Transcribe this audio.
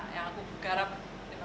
yang aku garap lima belas tahun